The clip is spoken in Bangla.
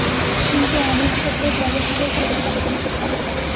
কিন্তু অনেক ক্ষেত্রে দীর্ঘদিন ব্যবহারের ফলে এটি ত্বকের জন্য ক্ষতিকর হতে পারে।